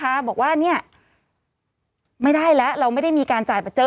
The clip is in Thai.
บอกว่าเนี่ยไม่ได้แล้วเราไม่ได้มีการจ่ายประเจอ